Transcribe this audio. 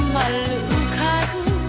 mà lựa khách